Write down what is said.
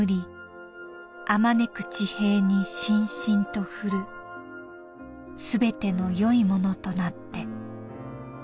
あまねく地平にしんしんと降るすべてのよいものとなって」。